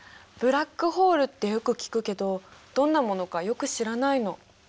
ブラックホールってよく聞くけどどんなものかよく知らないの。